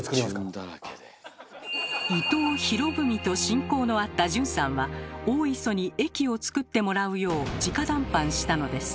伊藤博文と親交のあった順さんは大磯に駅を造ってもらうよう直談判したのです。